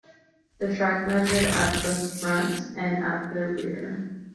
The track measured at the front, and at the rear.